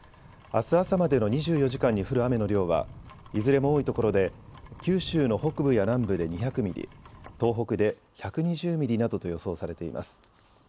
あす朝までの２４時間に降る雨の量はいずれも多いところで九州の北部や南部で２００ミリ、東北で１２０ミリなどと予想されています。